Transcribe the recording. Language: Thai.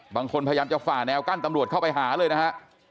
พยายามจะฝ่าแนวกั้นตำรวจเข้าไปหาเลยนะฮะ